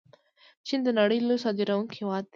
چین د نړۍ لوی صادروونکی هیواد دی.